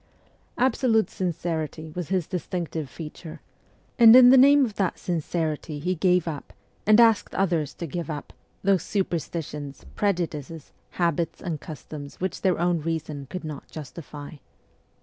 Absolute sincerity was his distinctive ST. PETERSBURG 85 feature, and in the name of that sincerity he gave up, and asked others to give up, those superstitions, prejudices, habits, and customs which their own reason could not justify.